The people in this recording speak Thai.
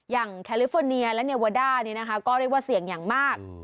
อย่างแคลิฟอร์เนียและเนวาดานี่นะคะก็เรียกว่าเสี่ยงอย่างมาก